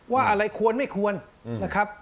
ว่าอะไรควรไม่ควรนะครับ